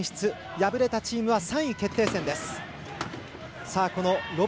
敗れたチームは３位決定戦です。